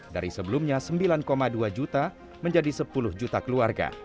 dari sebelumnya sembilan dua juta menjadi sepuluh juta keluarga